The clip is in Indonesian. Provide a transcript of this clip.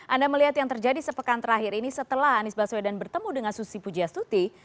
anda melihat yang terjadi sepekan terakhir ini setelah anies baswedan bertemu dengan susi pujastuti